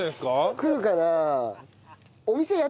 来るかな？